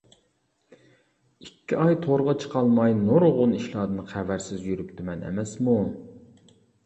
ئىككى ئاي تورغا چىقالماي نۇرغۇن ئىشلاردىن خەۋەرسىز يۈرۈپتىمەن ئەمەسمۇ!